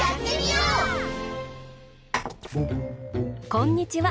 こんにちは。